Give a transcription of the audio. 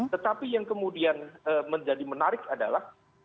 tetapi yang kemudian menjadi menarik adalah